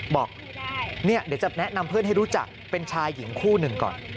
บอกเดี๋ยวจะแนะนำเพื่อนให้รู้จักเป็นชายหญิงคู่หนึ่งก่อน